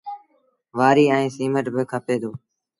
وآريٚ ائيٚݩ سيٚمٽ با کپي دو۔